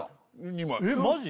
２枚マジ？